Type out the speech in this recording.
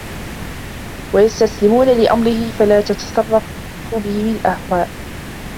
وَيَسْتَسْلِمُونَ لِأَمْرِهِ فَلَا تَتَصَرَّفُ بِهِمْ الْأَهْوَاءُ